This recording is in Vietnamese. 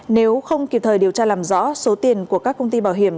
nếu không kịp thời điều tra làm rõ số tiền của các công ty bảo hiểm